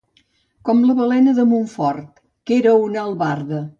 Com la balena de Monfort, que era una albarda.